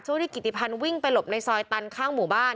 ที่กิติพันธ์วิ่งไปหลบในซอยตันข้างหมู่บ้าน